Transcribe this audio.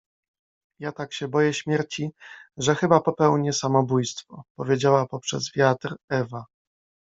— Ja tak się boję śmierci, że chyba popełnię samobój stwo — powiedziała poprzez wiatr Ewa.